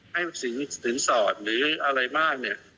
ให้สินสอดหรืออะไรบ้างเนี่ย